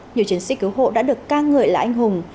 nhiều chiến sĩ cứu hộ đã được ca ngợi là anh hùng